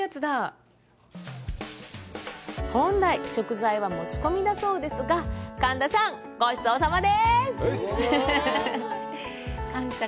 本来、食材は持ち込みだそうですが、神田さん、ごちそうさまです！